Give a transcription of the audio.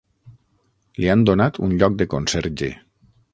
Li han donat un lloc de conserge.